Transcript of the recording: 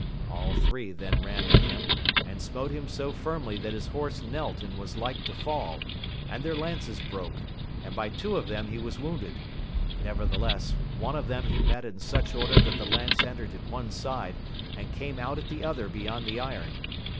All three then ran at him, and smote him so firmly that his horse knelt and was like to fall, and their lances broke, and by two of them he was wounded; nevertheless, one of them he met in such order that the lance entered at one side, and came out at the other beyond the iron.